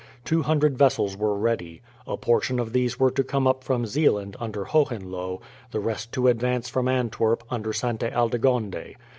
Two hundred vessels were ready. A portion of these were to come up from Zeeland, under Hohenlohe; the rest to advance from Antwerp, under Sainte Aldegonde.